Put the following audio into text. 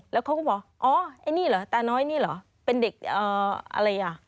แล้วเขาก็บอกอ๋อไอ้นี่เหรอตาน้อยนี่เหรอเป็นเด็กอะไรอ่ะ